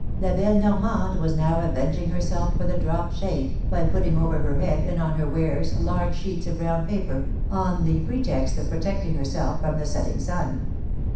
La belle Normande was now avenging lierself for the dropped shade, by piittiiig over her head and on her wares lavge sheets of brqwn paper, pn the 16 254 THE MARKETS OF PARIS. pretext of protecting herself from the setting sun.